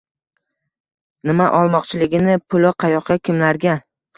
Nima olmoqchiligini, puli qayoqqa, kimlarga